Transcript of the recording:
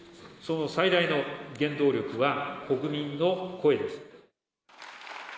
その最大の原動力は、国民の声です。